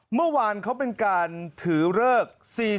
เมื่อวานเขาเป็นการถือเลิก